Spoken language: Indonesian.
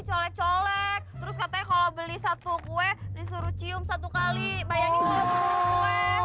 colek colek terus katanya kalau beli satu kue disuruh cium satu kali bayangin dulu kue